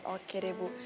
oke deh bu